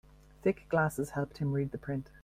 Thick glasses helped him read the print.